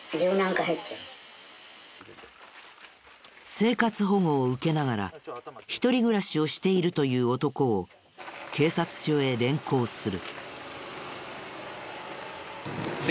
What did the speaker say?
生活保護を受けながら一人暮らしをしているという男を警察署へ連行する。